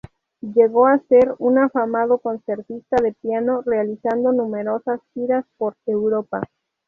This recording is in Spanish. Llegó a ser un afamado concertista de piano realizando numerosas giras por Europa.